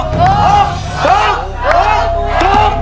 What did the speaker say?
ถูก